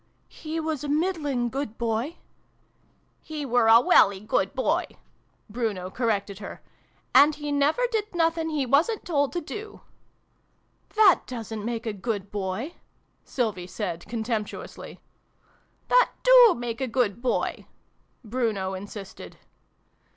" he was a middling good Boy " "He were a welly good Boy !" Bruno cor rected her. "And he never did nothing he wasn't told to do "" That doesn't make a good Boy !" Sylvie said contemptuously. " That do make a good Boy !" Bruno in sisted.